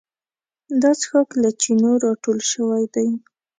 دا څښاک له چینو راټول شوی دی.